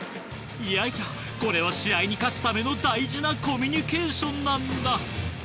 いやいやこれは試合に勝つための大事なコミュニケーションなんだ。